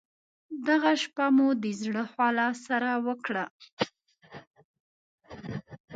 دغه شپه مو د زړه خواله سره وکړل.